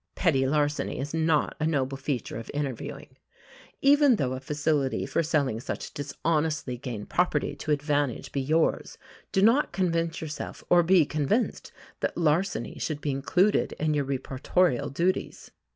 Petty larceny is not a noble feature of interviewing. Even though a facility for selling such dishonestly gained property to advantage be yours, do not convince yourself or be convinced that larceny should be included in your reportorial duties.